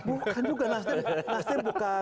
bukan juga nasdem